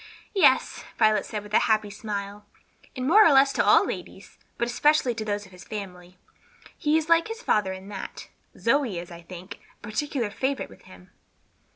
"Yes," Violet said, with a happy smile, "and more or less to all ladies; but especially those of this family. He is like his father in that. Zoe is, I think, a particular favorite with him."